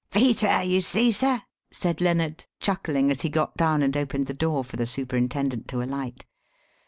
"Beat her, you see, sir," said Lennard, chuckling as he got down and opened the door for the superintendent to alight.